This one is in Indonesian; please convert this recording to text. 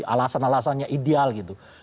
alasan alasannya ideal gitu